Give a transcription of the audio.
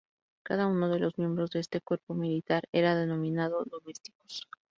Cada uno de los miembros de este cuerpo militar era denominado domesticus.